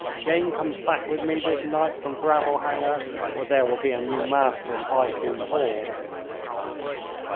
Jane comes back with me this night from Gravel Hanger or there will be a new master in High Combe Hall."